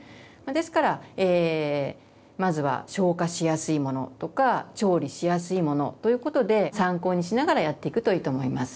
ですからまずは消化しやすいものとか調理しやすいものということで参考にしながらやっていくといいと思います。